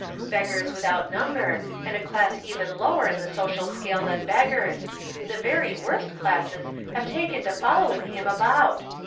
IJeggars with out number, and a class even lower in the social scale than beggars. The very worst classes Iiave taken to following him about.